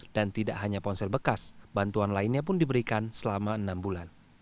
dan tidak hanya ponsel bekas bantuan lainnya pun diberikan selama enam bulan